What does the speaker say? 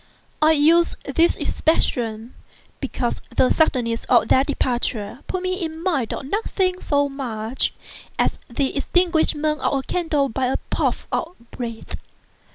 I use this expression, because the suddenness of their departure put me in mind of nothing so much as the extinguishment of a candle by a puff of the breath.